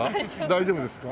大丈夫ですか。